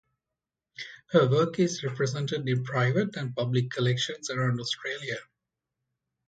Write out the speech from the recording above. Her work is represented in private and public collections around Australia.